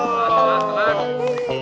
selan selan selan